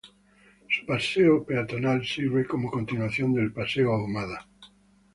Su paseo peatonal sirve como continuación del Paseo Ahumada.